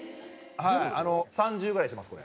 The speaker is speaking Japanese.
あの３０ぐらいしますこれ。